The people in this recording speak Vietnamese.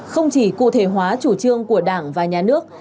không chỉ cụ thể hóa chủ trương của đảng và nhà nước